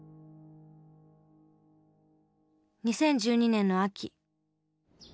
２０１２年の秋。